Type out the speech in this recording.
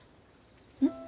うん？